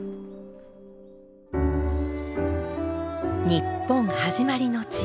ニッポンはじまりの地